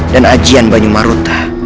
dan ajian banyumaruta